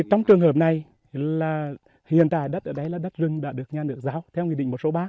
trong trường hợp này là hiện tại đất ở đây là đất rừng đã được nhà nước giao theo nghị định một trăm sáu mươi ba